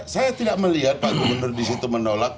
saya tidak melihat pak gubernur di situ menolak